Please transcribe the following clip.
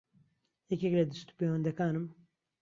یەکێک لە دەستوپێوەندەکانم